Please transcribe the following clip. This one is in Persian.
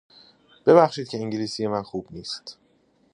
ببخشید که انگلیسی من خوب نیست!